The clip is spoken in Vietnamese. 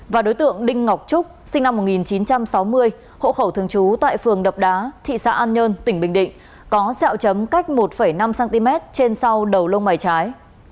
và đối tượng đinh ngọc trúc sinh năm một nghìn chín trăm sáu mươi hộ khẩu thường trú tại phường đập đá thị xã an nhơn tỉnh bình định có xeo chấm cách một năm cm trên sau đầu lông mày trái